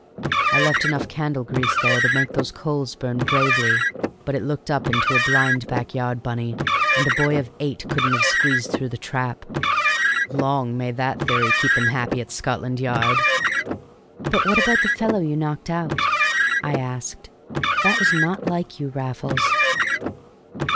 I left enough candle grease there to make those coals burn bravely. But it looked up into a blind backyard, Bunny, and a boy of eight couldn't have squeezed through the trap. Long may that theory keep them happy at Scotland Yard!" "But what about the fellow you knocked out?" I asked. "That was not like you, Raffles."